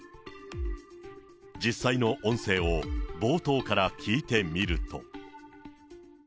実際の音声を冒頭から聞いてみると。